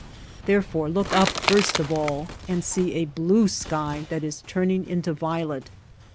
Therefore look up first of all and see a blue sky that is turning into violet.